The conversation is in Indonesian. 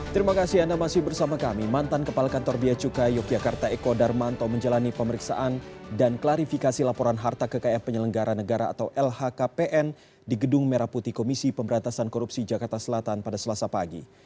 terima kasih anda masih bersama kami mantan kepala kantor biacukai yogyakarta eko darmanto menjalani pemeriksaan dan klarifikasi laporan harta kekaya penyelenggara negara atau lhkpn di gedung merah putih komisi pemberantasan korupsi jakarta selatan pada selasa pagi